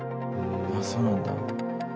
あっそうなんだ。